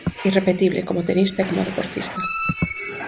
Irrepetible como tenista e como deportista.